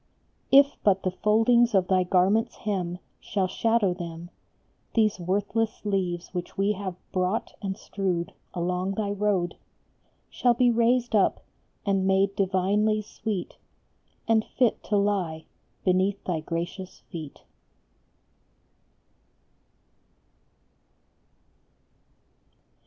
If but the foldings of thy garment s hem Shall shadow them, These worthless leaves which we have brought and strewed Along thy road Shall be raised up and made divinely sweet, And fit to lie beneath thy gracious feet.